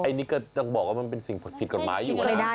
อันนี้ก็ต้องบอกว่ามันเป็นสิ่งผิดกฎหมายอยู่